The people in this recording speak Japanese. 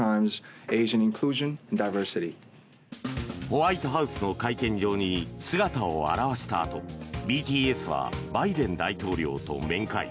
ホワイトハウスの会見場に姿を現したあとＢＴＳはバイデン大統領と面会。